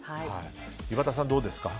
岩田さん、どうですか？